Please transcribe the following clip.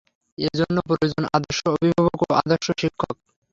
এ জন্য প্রয়োজন আদর্শ অভিভাবক ও আদর্শ শিক্ষক।